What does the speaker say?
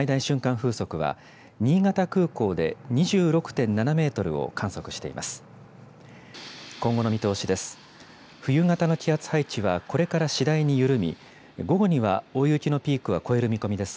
風速は、新潟空港で２６．７メートルを観測しています。